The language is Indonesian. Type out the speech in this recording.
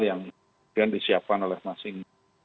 yang disiapkan oleh masing